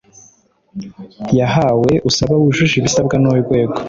yahawe usaba wujuje ibisabwa n Urwego